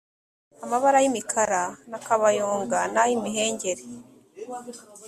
amabara y imikara ya kabayonga n ay imihengeri